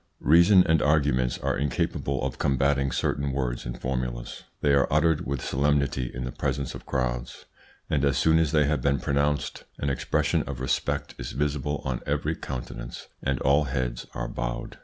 Reason and arguments are incapable of combatting certain words and formulas. They are uttered with solemnity in the presence of crowds, and as soon as they have been pronounced an expression of respect is visible on every countenance, and all heads are bowed.